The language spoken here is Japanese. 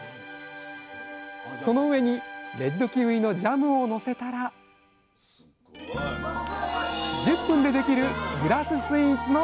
その上にレッドキウイのジャムをのせたら１０分でできるグラススイーツの完成です